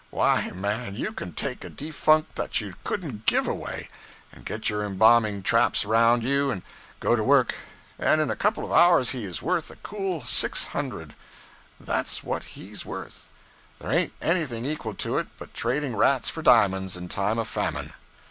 Why, man, you can take a defunct that you couldn't _give _away; and get your embamming traps around you and go to work; and in a couple of hours he is worth a cool six hundred that's what he's worth. There ain't anything equal to it but trading rats for di'monds in time of famine.